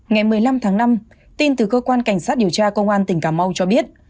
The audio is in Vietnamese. ngày một mươi năm tháng năm tin từ cơ quan cảnh sát điều tra công an tỉnh cà mau cho biết